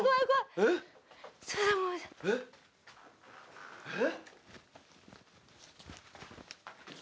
えっ？えっ？